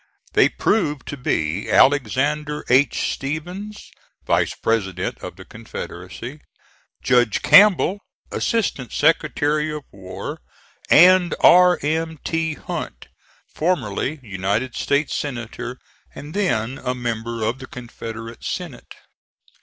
They proved to be Alexander H. Stephens, Vice President of the Confederacy, Judge Campbell, Assistant Secretary of War, and R. M. T. Hunt, formerly United States Senator and then a member of the Confederate Senate.